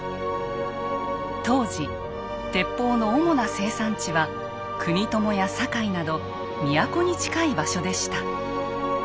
当時鉄砲の主な生産地は国友や堺など都に近い場所でした。